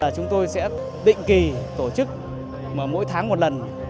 chúng tôi sẽ định kỳ tổ chức mỗi tháng một lần